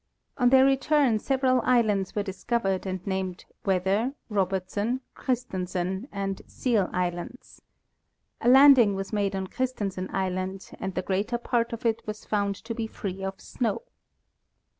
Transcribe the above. On their return sev eral islands were discovered and named Weather, Robertson, Christensen and Seal islands. A landing was made on Christen sen island and the greater part of it was found to be free of snow.